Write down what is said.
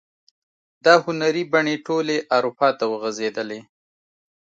دا هنري بڼې ټولې اروپا ته وغزیدلې.